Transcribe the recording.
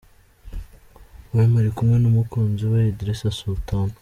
Wema ari kumwe numukunzi we Idrissa Sultan